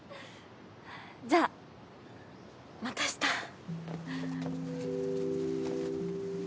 じゃあまた明日。